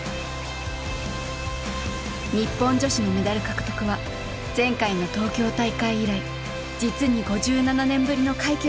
日本女子のメダル獲得は前回の東京大会以来実に５７年ぶりの快挙でした。